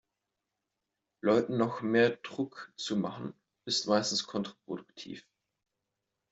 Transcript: Leuten noch mehr Druck zu machen, ist meistens kontraproduktiv.